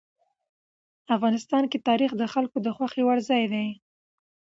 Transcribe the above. افغانستان کې تاریخ د خلکو د خوښې وړ ځای دی.